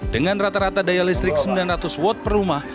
dengan rata rata daya listrik yang diperlukan